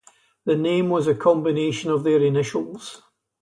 The name was a combination of their initials.